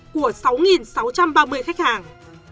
của sáu sáu trăm ba mươi khách hàng